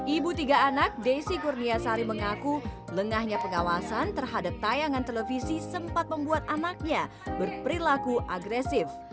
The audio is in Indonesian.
ibu tiga anak desi kurnia sari mengaku lengahnya pengawasan terhadap tayangan televisi sempat membuat anaknya berperilaku agresif